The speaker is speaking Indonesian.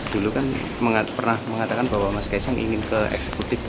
dulu kan pernah mengatakan bahwa mas kaisang ingin ke eksekutif